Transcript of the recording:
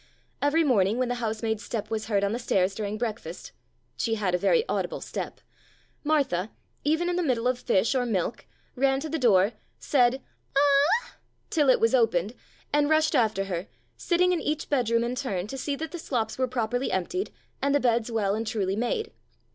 Every morning when the housemaid's step was heard on the stairs during breakfast (she had a very audible step), Martha, even in the middle of fish or milk, ran to the door, said " A a a a " till it was opened, and rushed after her, sitting in each bedroom in turn to see that the slops were properly emptied and the beds well and truly made.